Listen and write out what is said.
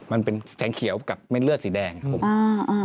มันเป็นแสงเขียวกับเม็ดเลือดสีแดงครับผม